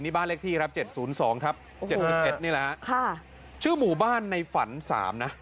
นี่บ้านเลขที่ครับ๗๐๒ครับ๗๑นี่แหละค่ะชื่อหมู่บ้านในฝัน๓นะ